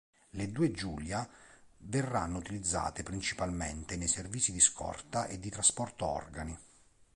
Le due Giulia verranno utilizzate principalmente nei servizi di scorta e di trasporto organi.